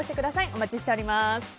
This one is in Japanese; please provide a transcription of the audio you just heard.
お待ちしております。